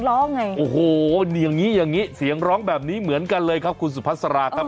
โอ้โหอย่างนี้เหมือนกันเลยครับคุณสุพัสราครับ